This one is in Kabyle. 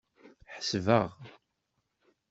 Ḥesbeɣ.